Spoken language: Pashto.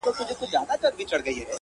ساده سړے يم زۀ عظيم چې ځان ته فکر وکړم